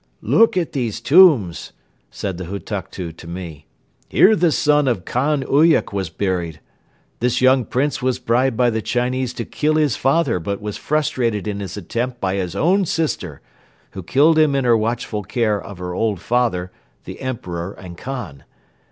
"Look at these tombs!" said the Hutuktu to me. "Here the son of Khan Uyuk was buried. This young prince was bribed by the Chinese to kill his father but was frustrated in his attempt by his own sister, who killed him in her watchful care of her old father, the Emperor and Khan.